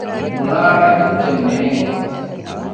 ބުނާނެ އެއްޗެއް ނޭނގެ